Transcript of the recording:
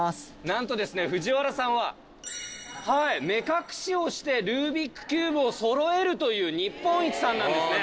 なんとですね藤原さんは目隠しをしてルービックキューブをそろえるという日本一さんなんですね。